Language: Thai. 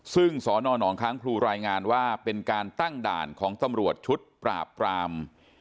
ซึ่งสนหนองค้างพลูรายงานว่าเป็นการตั้งด่านของตำรวจชุดปราบปราม